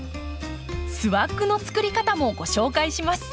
スワッグの作り方もご紹介します。